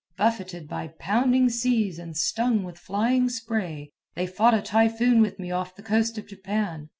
Buffeted by pounding seas and stung with flying spray, they fought a typhoon with me off the coast of Japan.